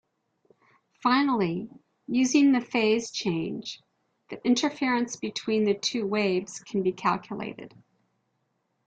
Finally, using the phase change, the interference between the two waves can be calculated.